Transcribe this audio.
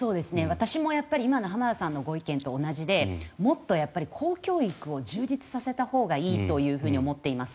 私も今の浜田さんの意見と同じでもっと公教育を充実させたほうがいいというふうに思っています。